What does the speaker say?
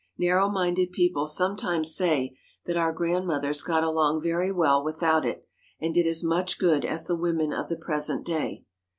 Narrow minded people sometimes say that our grandmothers got along very well without it, and did as much good as the women of the present day.